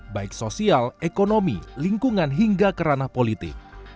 baik sosial ekonomi lingkungan hingga kerana politik